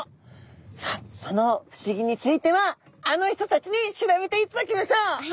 さあその不思議についてはあの人たちに調べていただきましょう！